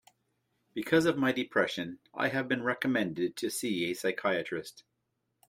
Because of my depression, I have been recommended to see a psychiatrist.